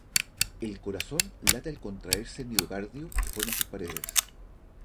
El corazón late al contraerse el miocardio que forma sus paredes.